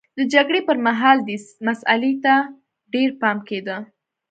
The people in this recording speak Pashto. د جګړې پرمهال دې مسئلې ته ډېر پام کېده.